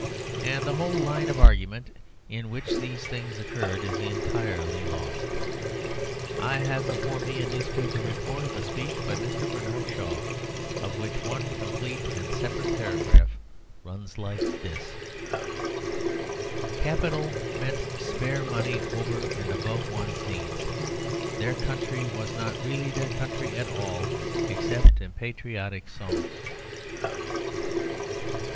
And the whole line of argument in which these things occurred is entirely lost. I have before me a newspaper report of a speech by Mr. Bernard Shaw, of which one complete and separate paragraph runs like this "Capital meant spare money over and above one's needs. Their country was not really their country at all except in patriotic songs."